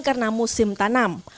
karena musim tanam